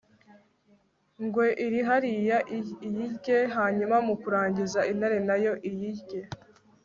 ngwe iri hariya iyirye, hanyuma mu kurangiza ... ntare na yo iyirye